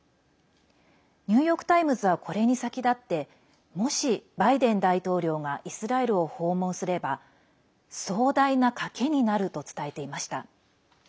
ニューヨーク・タイムズはこれに先立ってもし、バイデン大統領がイスラエルを訪問すれば壮大な賭けになると伝えていました。